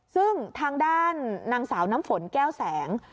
ซึ่งทางด้านนางสาวน้ำฝนแก้วแสง